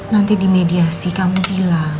nanti di mediasi kamu bilang